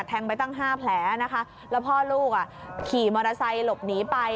ไปตั้งห้าแผลนะคะแล้วพ่อลูกอ่ะขี่มอเตอร์ไซค์หลบหนีไป